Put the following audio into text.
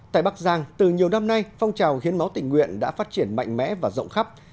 tại bắc giang từ nhiều năm nay phong trào hiến máu tình nguyện đã phát triển mạnh mẽ và rộng khắp